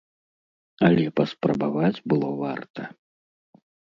Але паспрабаваць было варта!